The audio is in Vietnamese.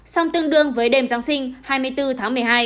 song tương đương với đêm giáng sinh hai mươi bốn tháng một mươi hai